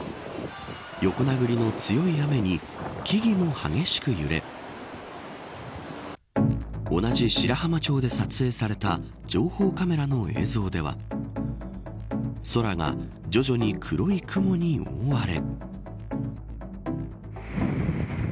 横殴りの強い雨に木々も激しく揺れ同じ白浜町で撮影された情報カメラの映像では空が徐々に黒い雲に覆われ。